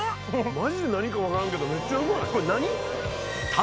マジで何か分からんけどめっちゃうまいこれ何？